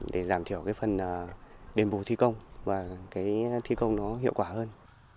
để giảm thiểu phần đền bù thi công và thi công hiệu quả hơn